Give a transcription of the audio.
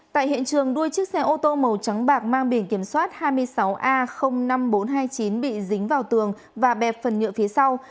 tại hiện trường đuôi chiếc xe ô tô màu trắng bạc mang biển kiểm soát hai mươi sáu a năm nghìn bốn trăm hai mươi chín bị dính vào tường và bẹp phần nhựa phía sau